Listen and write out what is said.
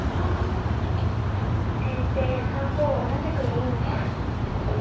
先手３五同じく銀。